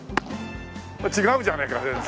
違うじゃねえか全然。